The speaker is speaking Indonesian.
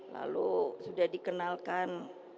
lalu sudah dikenalkan